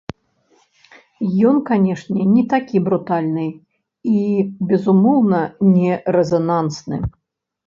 Ён, канешне, не такі брутальны і, безумоўна, не рэзанансны.